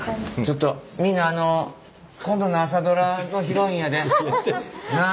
ちょっとみんなあの今度の「朝ドラ」のヒロインやで。なあ。